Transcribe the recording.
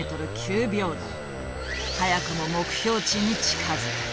早くも目標値に近づく。